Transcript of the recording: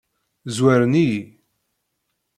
Zwaren-iyi.